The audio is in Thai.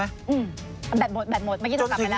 อืมแบตหมดแบตหมดเมื่อกี้ต้องกลับมาแล้ว